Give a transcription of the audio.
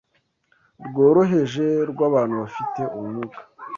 rworoheje rwabantu bafite ubumuga